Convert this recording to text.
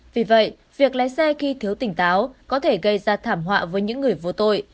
vì vậy việc lái xe khi thiếu tỉnh táo có thể gây ra thảm họa với những người vô tội